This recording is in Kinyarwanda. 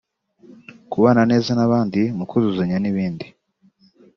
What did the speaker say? kubana neza n’abandi mukuzuzanya n’ibindi